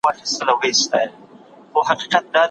پخوانيو ليکوالو د ټولني انځور ويستلی دی؟